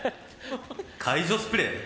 「解除スプレー」？